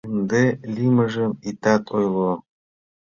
— Ынде лиймыжым итат ойло!..